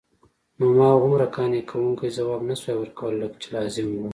نو ما هغومره قانع کوونکی ځواب نسوای ورکولای لکه چې لازم وو.